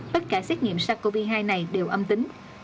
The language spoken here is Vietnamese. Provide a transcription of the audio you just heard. tất cả xét nghiệm sars cov hai này đều âm tính